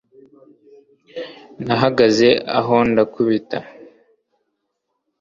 Nahagaze aho ndakubita